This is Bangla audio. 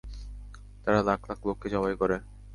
তারা লাখ লাখ লোককে জবাই করে।